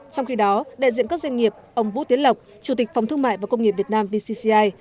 trong khi đó đại diện các doanh nghiệp ông vũ tiến lộc chủ tịch phòng thương mại và công nghiệp việt nam vcci